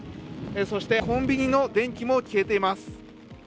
そしてコンビニの電気も消えています。